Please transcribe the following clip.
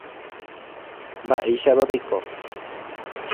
Mba’éichapa peiko.